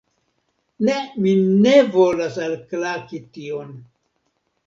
Ne, mi ne volas alklaki tion!